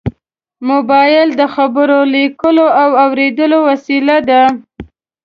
موبایل د خبرو، لیکلو او اورېدو وسیله ده.